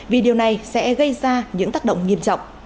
vì điều này sẽ gây ra những tác động nghiêm trọng